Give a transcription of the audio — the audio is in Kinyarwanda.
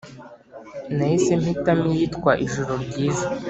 Nahise mpitamo iyitwa “Ijoro Ryiza”.